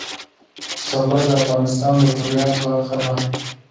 پسرلی د افغانستان د طبیعت برخه ده.